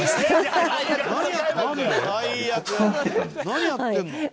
「何やってんだよ！」